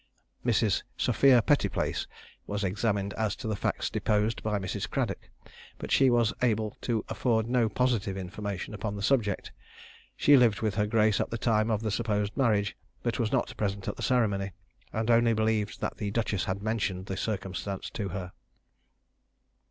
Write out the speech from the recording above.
Mrs. Sophia Pettiplace was examined as to the facts deposed to by Mrs. Cradock; but she was able to afford no positive information upon the subject. She lived with her grace at the time of the supposed marriage, but was not present at the ceremony, and only believed that the duchess had mentioned the circumstance to her.